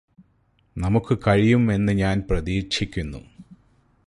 നമുക്ക് കഴിയും എന്ന് ഞാന് പ്രതീക്ഷിക്കുന്നു